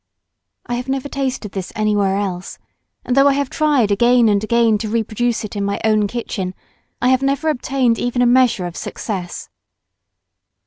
I have never tasted this anywhere else, and though I have tried again and again to reproduce it in my own kitchen, I have never obtained even a measure of success.